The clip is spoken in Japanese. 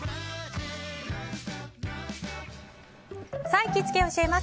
行きつけ教えます！